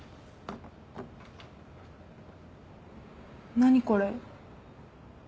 何これ？